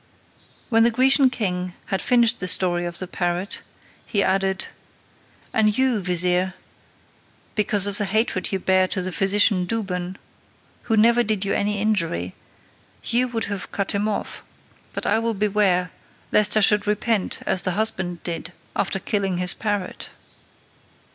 When the Grecian king had finished the story of the parrot, he added, "And you, vizier, because of the hatred you bear to the physician Douban, who never did you any injury, you would have me cut him off; but I will beware lest I should repent as the husband did after killing his parrot."